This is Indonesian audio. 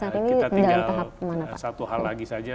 ya kita tinggal satu hal lagi saja